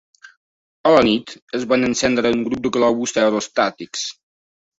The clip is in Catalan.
A la nit es van encendre un grup de globus aerostàtics.